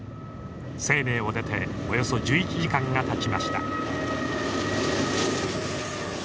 西寧を出ておよそ１１時間がたちました。